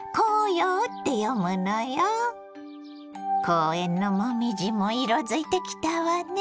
公園の紅葉も色づいてきたわね。